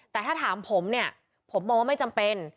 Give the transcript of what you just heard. แต่ถ้าถามผมเนี่ยผมมองว่าไม่จำเป็น